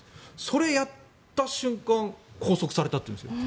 それをやった瞬間拘束されたというんです。